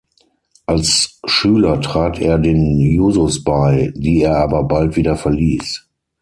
Als Schüler trat er den Jusos bei, die er aber bald wieder verließ.